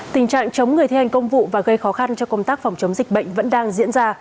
tình trạng chống người thi hành công vụ và gây khó khăn cho công tác phòng chống dịch bệnh vẫn đang diễn ra